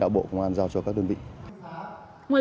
bắt đầu năm một nghìn chín trăm chín mươi năm